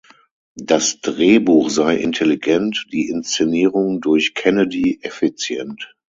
Das Drehbuch sei intelligent, die Inszenierung durch Kennedy effizient.